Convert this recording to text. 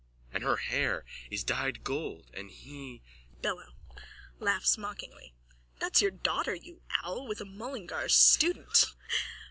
And her hair is dyed gold and he... BELLO: (Laughs mockingly.) That's your daughter, you owl, with a Mullingar student.